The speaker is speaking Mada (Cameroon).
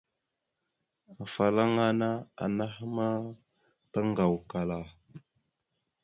Afalaŋana anaha ma taŋgawakala.